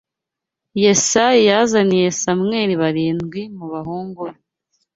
Yesayi yazaniye Samweli barindwi mu bahungu be